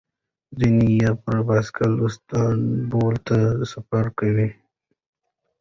ځینې یې پر بایسکل استانبول ته سفر وکړ.